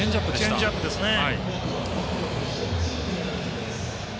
チェンジアップですね。